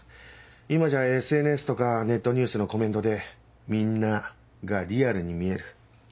今じゃＳＮＳとかネットニュースのコメントで「みんな」がリアルに見える。